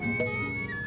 terima kasih pak